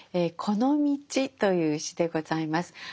「このみち」という詩でございます。